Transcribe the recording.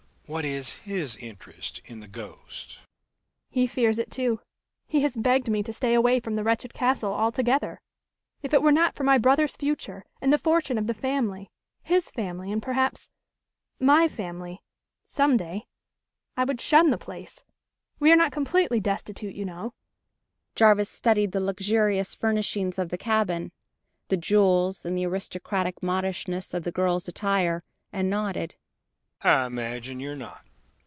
What is his interest in the ghost?" "He fears it, too. He has begged me to stay away from the wretched castle altogether. If it were not for my brother's future, and the fortune of the family his family, and perhaps ... my family ... some day ... I would shun the place. We are not completely destitute, you know!" Jarvis studied the luxurious furnishings of the cabin, the jewels and aristocratic modishness of the girl's attire, and nodded.